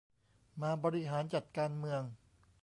มาบริหารจัดการเมือง